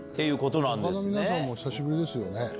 他の皆さんも久しぶりですよね。